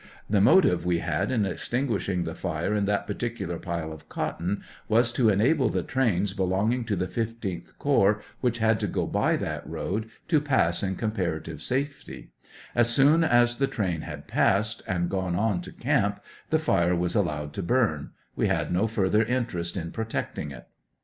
The motive we had in extinguishing the fire iu that particular pile of cotton was to enable the trains belonging to the 15th corps, which had to go by that road, to pass in comparative safety; as soon as the train had passed and gone on to camp the fire was allowed to burn ; we had no further interest in pro tecting it.